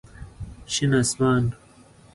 شين اسمان